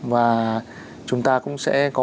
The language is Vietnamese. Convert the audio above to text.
và chúng ta cũng sẽ có